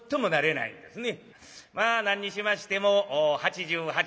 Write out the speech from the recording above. まあ何にしましても八十八